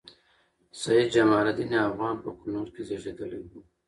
سيدجمال الدين افغان په کونړ کې زیږیدلی وه